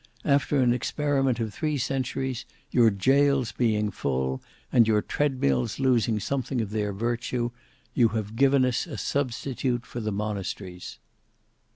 After an experiment of three centuries, your gaols being full, and your treadmills losing something of their virtue, you have given us a substitute for the monasteries."